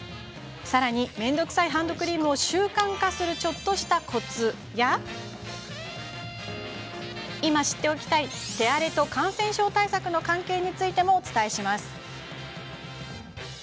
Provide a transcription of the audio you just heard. さらに、面倒くさいハンドクリームを習慣化するちょっとしたコツや今、知っておきたい手荒れと感染症対策の関係についてもお伝えします。